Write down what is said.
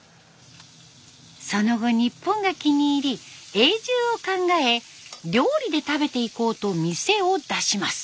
その後日本が気に入り永住を考え料理で食べていこうと店を出します。